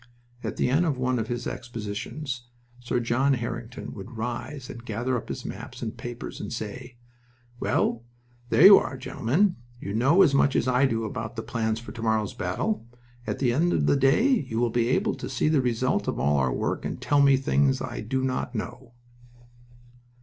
At the end of one of his expositions Sir John Harington would rise and gather up his maps and papers, and say: "Well, there you are, gentlemen. You know as much as I do about the plans for to morrow's battle. At the end of the day you will be able to see the result of all our work and tell me things I do not know."